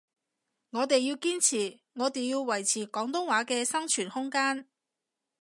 我哋要堅持，我哋要維持廣東話嘅生存空間